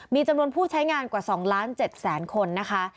มีจำนวนผู้ใช้งานกว่า๒๗๐๐๐๐๐คนนะคะ